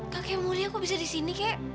kakek mulia kok bisa di sini kek